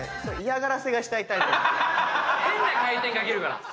変な回転かけるから。